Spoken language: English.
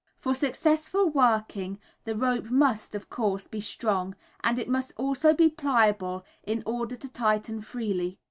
For successful working the rope must, of course, be strong, and it must also be pliable in order to tighten freely.